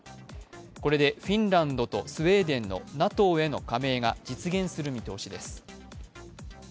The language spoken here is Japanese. これでフィンランドとスウェーデンのＮＡＴＯへの加盟が実現する見通しです。